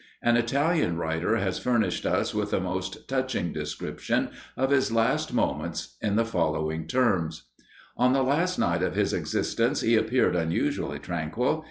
An Italian writer has furnished us with a most touching description of his last moments in the following terms: "On the last night of his existence, he appeared unusually tranquil.